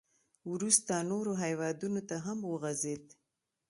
• وروسته نورو هېوادونو ته هم وغځېد.